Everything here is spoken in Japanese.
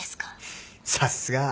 さっすが。